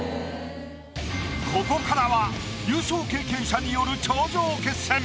ここからは優勝経験者による頂上決戦。